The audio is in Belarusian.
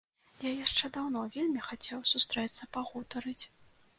Я яшчэ даўно вельмі хацеў сустрэцца, пагутарыць.